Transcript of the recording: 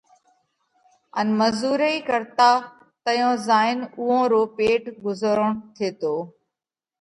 ان مزُورئِي ڪرتا تئيون زائينَ اُوئون رو پيٽ ڳُزروڻ ٿيتو۔